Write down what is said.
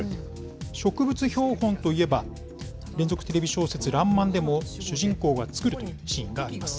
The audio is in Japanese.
植物標本といえば、連続テレビ小説らんまんでも、主人公が作るシーンがあります。